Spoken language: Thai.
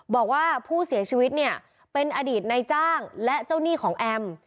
บอกว่าผู้เสียชีวิตเนี่ยเป็นอดีตในจ้างและเจ้าหนี้ของแอม